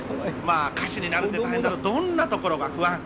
歌手になるって大変だろう、どんなところが不安？